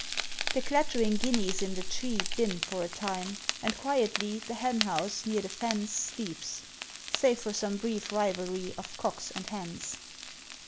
The clattering guineas in the tree Din for a time; and quietly The henhouse, near the fence, Sleeps, save for some brief rivalry Of cocks and hens.